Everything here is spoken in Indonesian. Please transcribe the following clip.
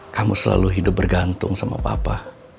kamu selalu hidup bergantung sama papa